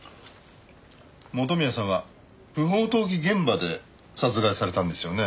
元宮さんは不法投棄現場で殺害されたんですよね？